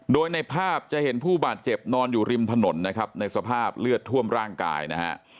โดยในภาพจะเห็นผู้บาดเจ็บนอนอยู่ริมถนนนะครับในสภาพเลือดท่วมร่างกายนะฮะ